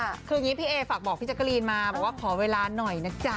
คืออย่างนี้พี่เอฝากบอกพี่จักรีนมาบอกว่าขอเวลาหน่อยนะจ๊ะ